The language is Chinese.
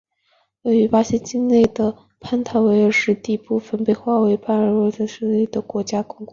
位于巴西境内的潘塔纳尔湿地部份被划为潘塔纳尔马托格罗索国家公国并加以保护。